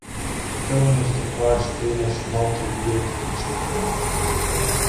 The film was the first Danish multi-reeled feature film.